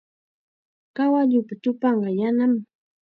Kawalluupa chupanqa yanam.